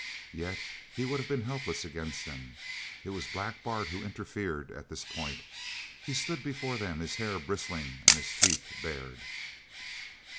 Yet he would have been helpless against them. It was Black Bart who interfered at this point. He stood before them, his hair bristling and his teeth bared.